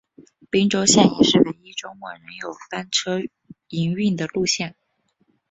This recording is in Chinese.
宾州线也是唯一周末仍有班车营运的路线。